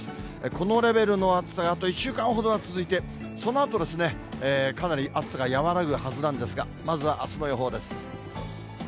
このレベルの暑さがあと１週間ほどは続いて、そのあとですね、かなり暑さが和らぐはずなんですが、まずはあすの予報です。